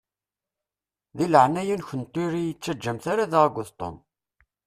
Di leɛnaya-nkent ur yi-ttaǧǧamt ara da akked Tom.